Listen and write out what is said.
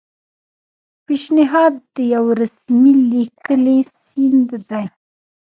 پیشنهاد یو رسمي لیکلی سند دی.